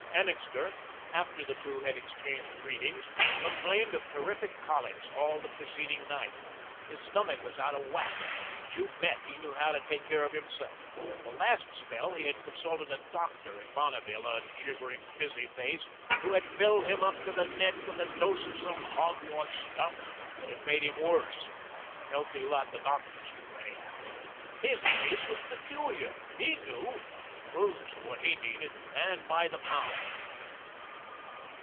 Annixter after the two had exchanged greetings complained of terrific colics all the preceding night. His stomach was out of whack, but you bet he knew how to take care of himself; the last spell, he had consulted a doctor at Bonneville, a gibbering busy face who had filled him up to the neck with a dose of some hogwash stuff that had made him worse a healthy lot the doctors knew, anyhow. HIS case was peculiar. HE knew; prunes were what he needed, and by the pound.